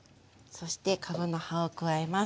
そしてかぶの葉を加えます。